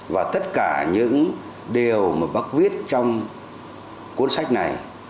và tất cả những điều mà bác viết trong cuốn sách này